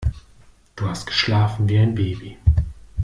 Du hast geschlafen wie ein Baby.